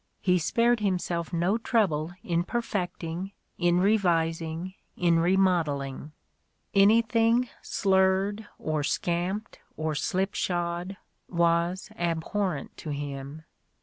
He spared himself no trouble in perfecting, in revising, in re modelling : anything slurred, or scamped, or slipshod, was abhorrent to him.